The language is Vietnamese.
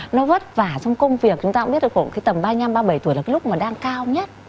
nó vất vả trong công việc chúng ta cũng biết được tầm ba mươi năm ba mươi bảy tuổi là lúc mà đang cao nhất